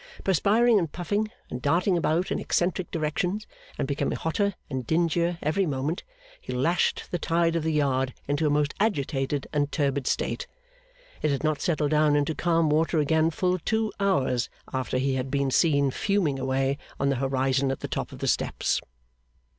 Perspiring and puffing and darting about in eccentric directions, and becoming hotter and dingier every moment, he lashed the tide of the yard into a most agitated and turbid state. It had not settled down into calm water again full two hours after he had been seen fuming away on the horizon at the top of the steps.